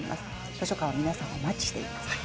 図書館はみなさんをお待ちしています。